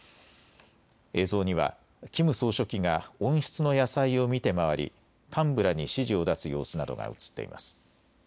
映像にはキム総書記が温室の野菜を見て回り幹部らに指示を出す様子などが映っています。